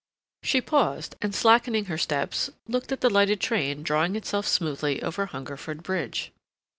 She paused and, slackening her steps, looked at the lighted train drawing itself smoothly over Hungerford Bridge.